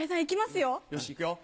よし行くよ。